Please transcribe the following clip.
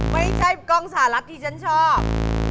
ไม่ใช่กองสาหรับที่ชอบ